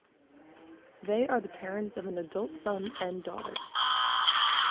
They are the parents of an adult son and daughter.